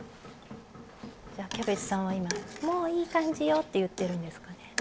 じゃあキャベツさんは今もういい感じよって言ってるんですかね。